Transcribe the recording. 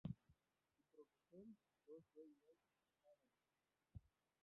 Su profesor y tutor fue Jacques Hadamard.